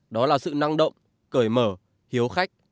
đó là sự năng động cởi mở hiếu hóa